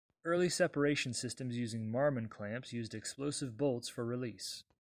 Early separation systems using Marman clamps used explosive bolts for release.